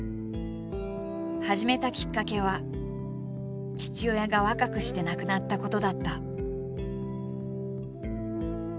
始めたきっかけは父親が若くして亡くなったことだった。